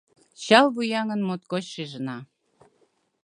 Чал вуяҥын, моткоч шижына.